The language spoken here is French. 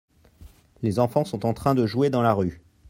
Les enfant sont en train de jouer dans la rue.